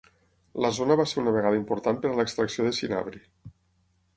La zona va ser una vegada important per a l'extracció de cinabri.